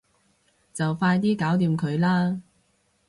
就快啲搞掂佢啦